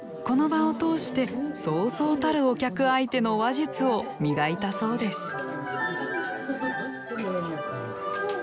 この場を通してそうそうたるお客相手の話術を磨いたそうです